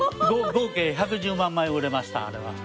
合計１１０万枚売れましたあれは。